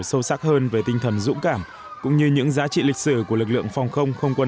sâu sắc hơn về tinh thần dũng cảm cũng như những giá trị lịch sử của lực lượng phòng không không quân